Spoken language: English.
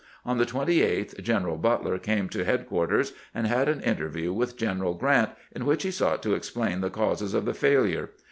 On the 28th General Butler came to head quarters, and had an interview with Greneral Grant, in which he sought to explain the causes of the failure.